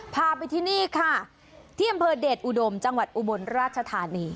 พาไปที่นี่ค่ะที่อำเภอเดชอุดมจังหวัดอุบลราชธานี